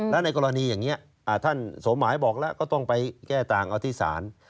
แล้วในกรณีอย่างนี้ท่านสมหมายบอกแล้วก็ต้องไปแก้ต่างเอาที่ศาล